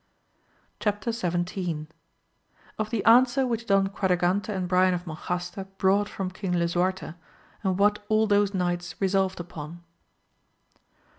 Chap. JLVll. — Of the answer which Don Quadragante and Brian of Monjaste brought £rom Eong Lisuarte, and what all those knights resolved upon.